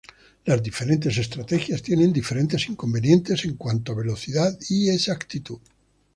Las diferentes estrategias tienen diferentes inconvenientes en cuanto a velocidad y exactitud.